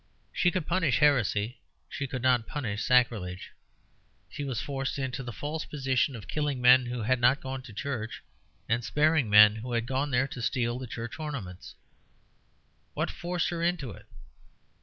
She could punish heresy, she could not punish sacrilege. She was forced into the false position of killing men who had not gone to church, and sparing men who had gone there to steal the church ornaments. What forced her into it?